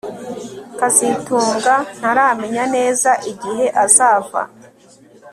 kazitunga ntaramenya neza igihe azava